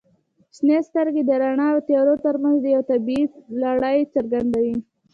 • شنې سترګې د رڼا او تیارو ترمنځ یوه طبیعي لړۍ څرګندوي.